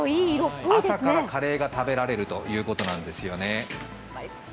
朝からカレーが食べられるということなんですよね。